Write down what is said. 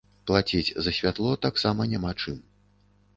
Плаціць за святло таксама няма чым.